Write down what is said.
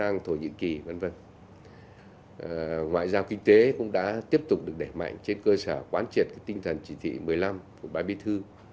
ngoại giao kinh tế cũng đã tiếp tục được đẩy mạnh trên cơ sở quán triệt tinh thần chỉ thị một mươi năm của ban bí thư